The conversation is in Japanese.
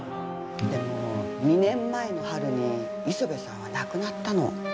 でも２年前の春に磯部さんは亡くなったの。